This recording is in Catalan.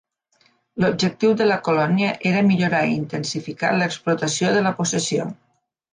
L'objectiu de la colònia era millorar i intensificar l'explotació de la possessió.